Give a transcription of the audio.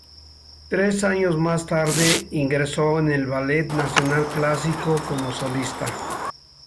Tres años más tarde ingresó en el Ballet Nacional Clásico como solista.